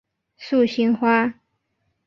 素兴花